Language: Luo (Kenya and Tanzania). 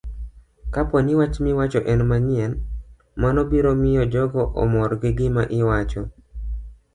Kapo ni wach miwacho en manyien, mano biro miyo jogo omor gi gima iwacho